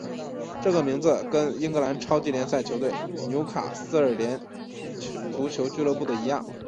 这个名字跟英格兰超级联赛球队纽卡斯尔联足球俱乐部的一样。